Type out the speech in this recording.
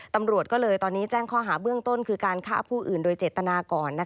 ตำรวจก็เลยตอนนี้แจ้งข้อหาเบื้องต้นคือการฆ่าผู้อื่นโดยเจตนาก่อน